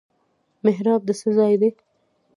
محراب د څه ځای دی؟